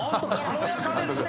軽やかですね。